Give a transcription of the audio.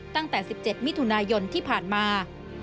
ตั้งแต่๑๗มิถุนายนที่ผ่านมา